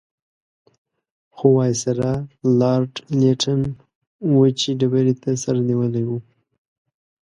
خو وایسرا لارډ لیټن وچې ډبرې ته سر نیولی وو.